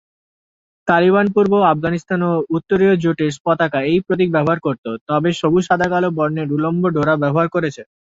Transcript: তালিবান-পূর্ব আফগানিস্তান ও উত্তরীয় জোটের পতাকা একই প্রতীক ব্যবহার করতো, তবে সবুজ, সাদা ও কালো বর্ণের উলম্ব ডোরা ব্যবহার করেছে।